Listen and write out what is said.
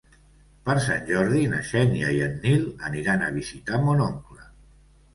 Per Sant Jordi na Xènia i en Nil aniran a visitar mon oncle.